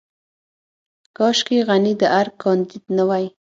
کاشکې غني د ارګ کانديد نه وای.